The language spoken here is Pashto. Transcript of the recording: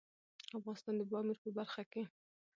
افغانستان د پامیر په برخه کې نړیوالو بنسټونو سره کار کوي.